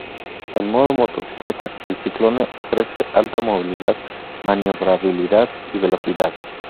En modo motocicleta, el Cyclone ofrece alta movilidad, maniobrabilidad y velocidad.